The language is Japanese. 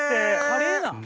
カレーなん？